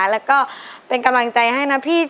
แล้วก็เป็นกำลังใจให้นะพี่